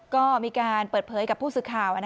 ก็มีการเปิดเผยกับผู้สื่อข่าว